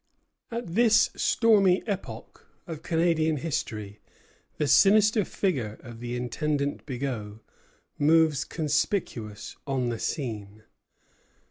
At this stormy epoch of Canadian history the sinister figure of the Intendant Bigot moves conspicuous on the scene.